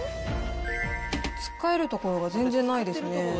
つっかえる所が全然ないですね。